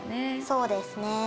そうですね。